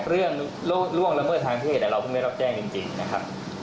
เรื่องล่วงระเมิดทางเพศพวกเราไม่รับแจ้งจริงนะครับ